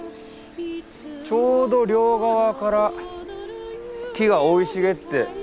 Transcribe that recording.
ちょうど両側から木が生い茂って。